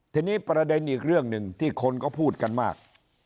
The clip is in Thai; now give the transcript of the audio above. ทีนี้ประเด็นอีกเรื่องหนึ่งที่คนก็พูดกันมาก